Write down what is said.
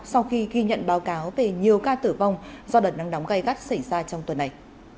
sau khi ghi nhận báo cáo về nhiều ca tử vong do đợt nắng nóng gai gắt xảy ra trong tuần này